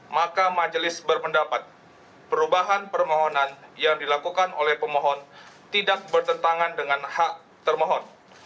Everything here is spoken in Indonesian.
maka majelis berpendapat perubahan permohonan yang dilakukan oleh pemohon tidak bertentangan dengan hak termohon